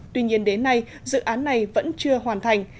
tuy nhiên đến nay dự án này vẫn chưa hoàn thành